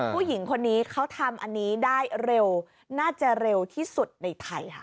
ผู้หญิงคนนี้เขาทำอันนี้ได้เร็วน่าจะเร็วที่สุดในไทยค่ะ